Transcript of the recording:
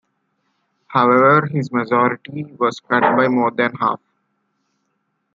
However his majority was cut by more than half.